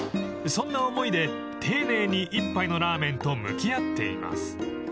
［そんな思いで丁寧に一杯のラーメンと向き合っています］